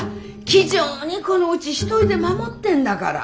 気丈にこのうち一人で守ってんだから。